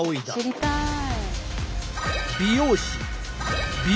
知りたい。